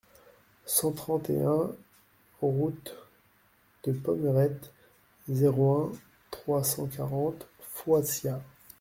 cent trente et un route de Pommerette, zéro un, trois cent quarante, Foissiat